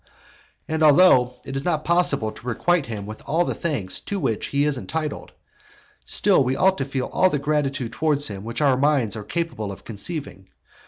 And although it is not possible to requite him with all the thanks to which he is entitled, still we ought to feel all the gratitude towards him which our minds are capable of conceiving.